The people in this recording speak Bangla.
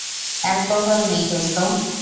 অ্যালকোহল নেই, দোস্ত।